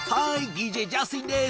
ＤＪジャスティンです。